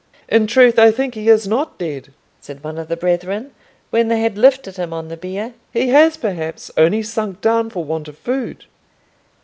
"In truth, I think he is not dead," said one of the brethren, when they had lifted him on the bier. "He has perhaps only sunk down for want of food."